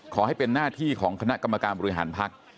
ขอให้เป็นหน้าที่ของคณะกรรมการบริหารภักดิ์